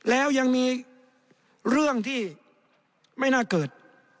แล้วยังมีเรื่องที่ไม่น่าเกิด